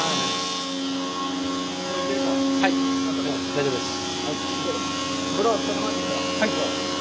大丈夫です。